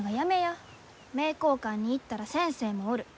名教館に行ったら先生もおる。